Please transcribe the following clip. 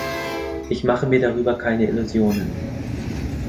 Ich mache mir darüber keine Illusionen.